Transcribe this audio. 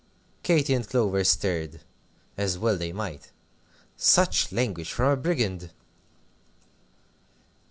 '" Katy and Clover stared, as well they might. Such language from a Brigand!